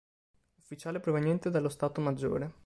Ufficiale proveniente dallo Stato Maggiore.